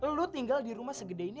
eh lo tinggal di rumah segede ini